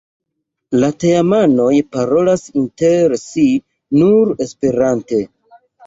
La teamanoj parolas inter si nur Esperante.